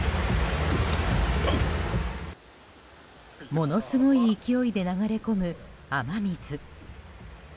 ものすごい勢いで流れ込む雨水。